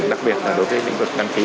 đặc biệt là đối với lĩnh vực đăng ký